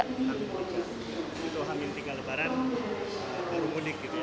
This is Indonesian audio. itu hamil tiga lebaran baru mudik gitu ya